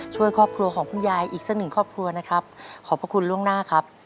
ช่วยครอบครัวของคุณยายอีกสักหนึ่งครอบครัวนะครับขอบพระคุณล่วงหน้าครับ